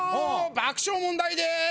爆笑問題でーす！